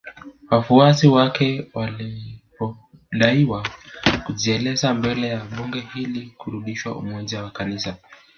Wafuasi wake walipodaiwa kujieleza mbele ya Bunge ili kurudisha umoja wa kanisa